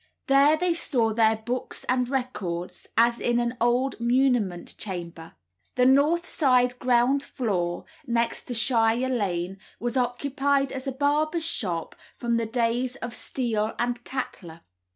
There they store their books and records, as in an old muniment chamber. The north side ground floor, next to Shire Lane, was occupied as a barber's shop from the days of Steele and the Tatler.